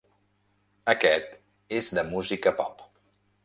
Aquest és de música pop.